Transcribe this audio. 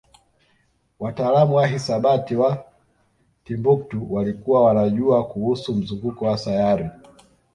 wataalamu wa hisabati wa Timbuktu walikuwa wanajua kuhusu mzunguko wa sayari